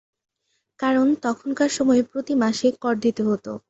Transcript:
কারণ তখনকার সময়ে প্রতি মাসে কর দিতে হতো।